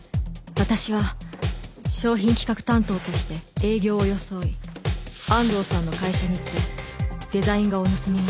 私は商品企画担当として営業を装い安藤さんの会社に行ってデザイン画を盗みました。